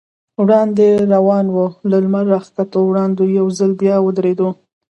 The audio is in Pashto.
وړاندې روان و، له لمر راختو وړاندې یو ځل بیا ودرېدو.